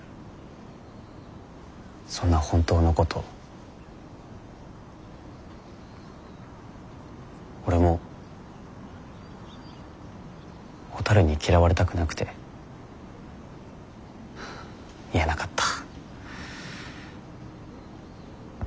そんな本当のこと俺もほたるに嫌われたくなくて言えなかった。